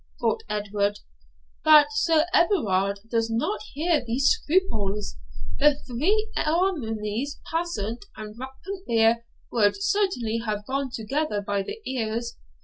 thought Edward,'that Sir Everard does not hear these scruples! The three ermines passant and rampant bear would certainly have gone together by the ears.'